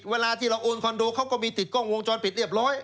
เวลาที่เราโอนคอนโดเขาก็มีติดกล้องวงจรปิดเรียบร้อย